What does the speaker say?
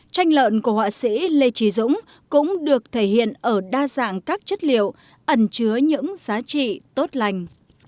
tranh lợn của họa sĩ lê trí dũng cũng được thể hiện ở đa dạng các chất liệu ẩn chứa những giá trị tốt lành